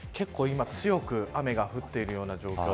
結構、今、強く雨が降っているような状況。